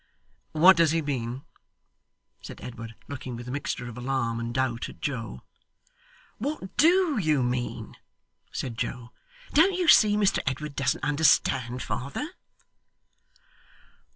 'What does he mean?' said Edward, looking with a mixture of alarm and doubt, at Joe. 'What DO you mean?' said Joe. 'Don't you see Mr Edward doesn't understand, father?